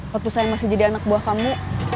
waktu saya masih jadi anak buah kamu